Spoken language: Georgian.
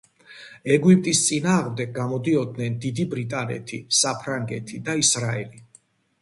ეგვიპტის წინააღმდეგ გამოდიოდნენ დიდი ბრიტანეთი, საფრანგეთი და ისრაელი.